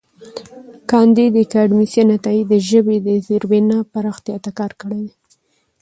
کانديد اکاډميسن عطايي د ژبې د زېربنا پراختیا ته کار کړی دی.